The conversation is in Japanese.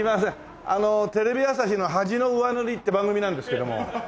テレビ朝日の「恥の上塗り」って番組なんですけども。